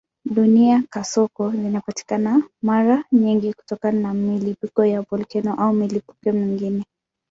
Duniani kasoko zinapatikana mara nyingi kutokana na milipuko ya volkeno au milipuko mingine.